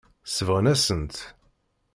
Sebɣen-asen-tt.